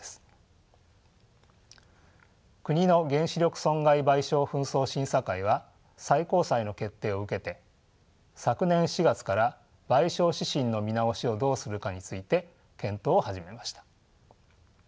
国の原子力損害賠償紛争審査会は最高裁の決定を受けて昨年４月から賠償指針の見直しをどうするかについて検討を始めました。